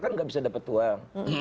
kan nggak bisa dapat uang